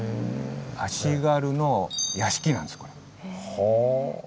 足軽の屋敷なんです。